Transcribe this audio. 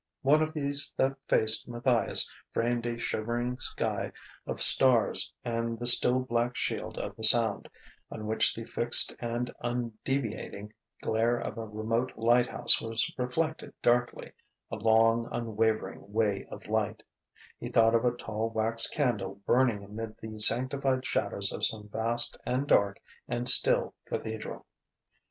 One of these that faced Matthias framed a shimmering sky of stars and the still black shield of the Sound, on which the fixed and undeviating glare of a remote light house was reflected darkly, a long unwavering way of light; he thought of a tall wax candle burning amid the sanctified shadows of some vast and dark and still cathedral....